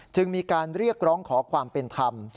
จึงมีการเรียกร้องขอความเป็นธรรม